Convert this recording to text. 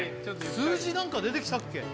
数字なんか出てきたっけ？